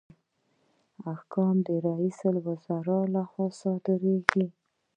احکام د رئیس الوزرا لخوا صادریږي